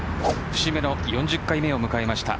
節目の４０回目を迎えました